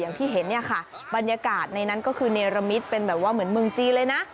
อย่างที่เห็นเนี่ยค่ะบรรยากาศในนั้นก็คือเนรมิตเป็นแบบว่าเหมือนเมืองจีนเลยนะ